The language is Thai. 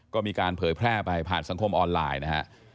ก็มีการเผยแพร่ไปผ่านสังคมออนไลน์นะฮะ